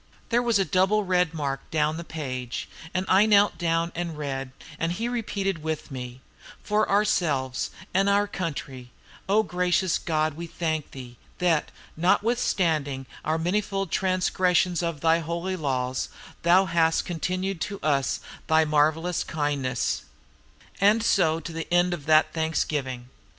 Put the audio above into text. There was his double red mark down the page; and I knelt down and read, and he repeated with me, 'For ourselves and our country, O gracious God, we thank These, that, notwithstanding our manifold transgressions of Thy holy laws, Thou hast continued to us Thy marvellous kindness,' and so to the end of that thanksgiving.